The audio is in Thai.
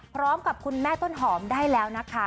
พร้อมกับคุณแม่ต้นหอมได้แล้วนะคะ